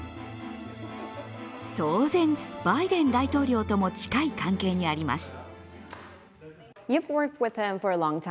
当然、バイデン大統領とも近い関係にあります。